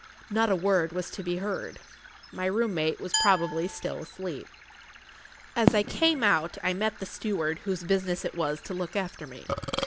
Not a word was to be heard. My room mate was probably still asleep. As I came out I met the steward whose business it was to look after me.